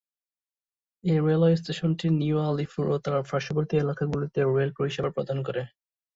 এই রেলওয়ে স্টেশনটি নিউ আলিপুর ও তার পার্শ্ববর্তী এলাকাগুলিতে রেল পরিষেবা প্রদান করে।